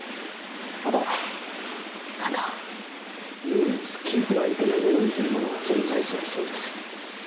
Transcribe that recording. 唯一聞いてはいけないメロディーというものが存在するそうです。